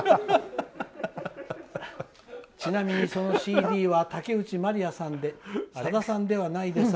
ちなみにそのＣＤは竹内まりやさんでさださんではないです。